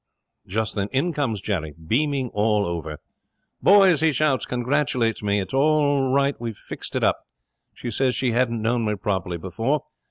Just then in comes Jerry, beaming all over. "Boys," he shouts, "congratulate me. It's all right. We've fixed it up. She says she hadn't known me properly before.